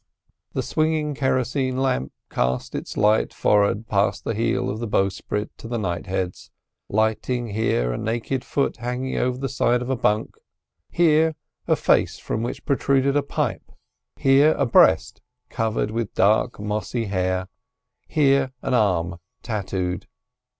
The swinging kerosene lamp cast its light forward, past the heel of the bowsprit to the knightheads, lighting here a naked foot hanging over the side of a bunk, here a face from which protruded a pipe, here a breast covered with dark mossy hair, here an arm tattooed.